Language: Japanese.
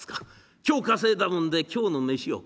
今日稼いだもんで今日の飯を食らう。